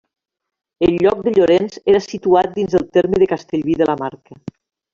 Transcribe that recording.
El lloc de Llorenç era situat dins el terme de Castellví de la Marca.